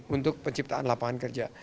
untuk penciptaan lapangan kerja